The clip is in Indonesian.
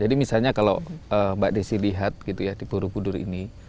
jadi misalnya kalau mbak desi lihat gitu ya di borobudur ini